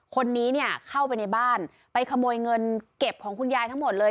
คนนี้เนี่ยเข้าไปในบ้านไปขโมยเงินเก็บของคุณยายทั้งหมดเลย